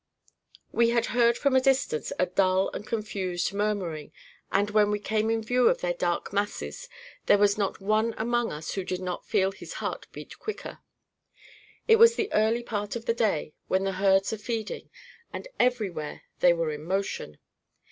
We had heard from a distance a dull and confused murmuring, and, when we came in view of their dark masses, there was not one among us who did not feel his heart beat quicker. It was the early part of the day, when the herds are feeding; and everywhere they were in motion.